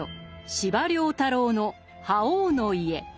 司馬太郎の「覇王の家」。